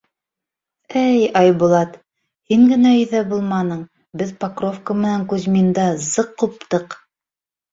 — Эй, Айбулат, һин генә өйҙә булманың, беҙ Покровка менән Кузьминда зыҡ ҡуптыҡ.